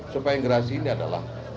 supaya gerasi ini adalah